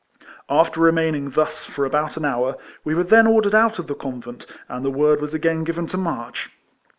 After remaining thus for about an hour, we were then ordered out of the convent, and the word was again given to march.